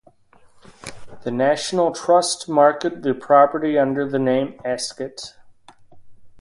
The National Trust market the property under the name "Ascott".